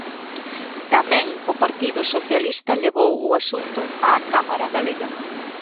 Tamén o Partido Socialista levou o asunto á Cámara galega.